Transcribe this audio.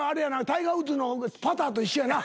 タイガー・ウッズのパターと一緒やな。